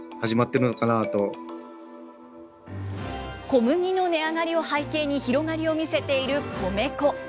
小麦の値上がりを背景に、広がりを見せている米粉。